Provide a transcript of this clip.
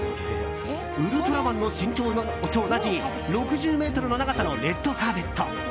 ウルトラマンの身長と同じ６０ｍの長さのレッドカーペット。